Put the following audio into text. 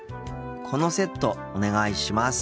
このセットお願いします。